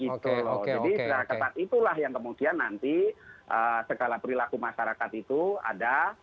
jadi secara ketat itulah yang kemudian nanti segala perilaku masyarakat itu ada